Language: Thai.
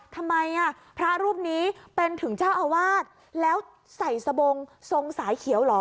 ทำไมอ่ะพระรูปนี้เป็นถึงเจ้าอาวาสแล้วใส่สบงทรงสายเขียวเหรอ